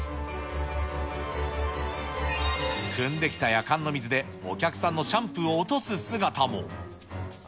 くんできたやかんの水でお客さんのシャンプーを落とす姿も。